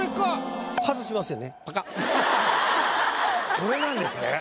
それなんですね。